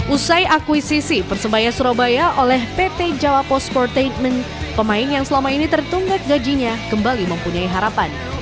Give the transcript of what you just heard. usai akuisisi persebaya surabaya oleh pt jawa postport treatment pemain yang selama ini tertunggak gajinya kembali mempunyai harapan